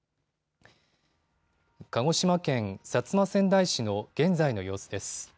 鹿児島県薩摩川内市の現在の様子です。